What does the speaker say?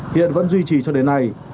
hiện vẫn duy trì cho đến nay